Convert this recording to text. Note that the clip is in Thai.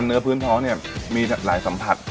และออกพื้นเถอะสำอะไรโอลีนีออกนี้เลยแก้มกตรงเรื้อ